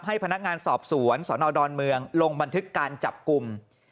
พนักงานสอบสวนสนดอนเมืองลงบันทึกการจับกลุ่ม